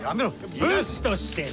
武士としてな。